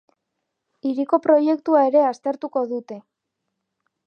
Hiriko proiektua ere aztertuko dute.